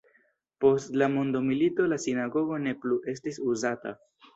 Post la mondomilito la sinagogo ne plu estis uzata.